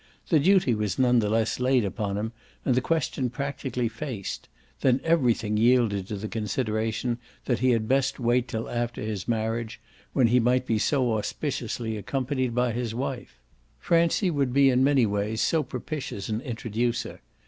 The duty was none the less laid upon him and the question practically faced; then everything yielded to the consideration that he had best wait till after his marriage, when he might be so auspiciously accompanied by his wife. Francie would be in many ways so propitious an introducer.